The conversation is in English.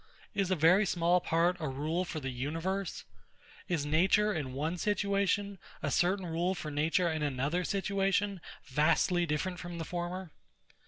Is a very small part a rule for the universe? Is nature in one situation, a certain rule for nature in another situation vastly different from the former?